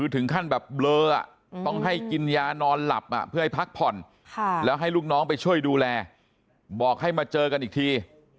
ถึงขั้นแบบเบลอต้องให้กินยานอนหลับเพื่อให้พักผ่อนแล้วให้ลูกน้องไปช่วยดูแลบอกให้มาเจอกันอีกที